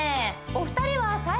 お二人はえ